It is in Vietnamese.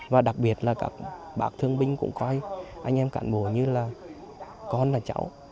và đặc biệt là các bác thương binh cũng coi anh em cán bộ như là con là cháu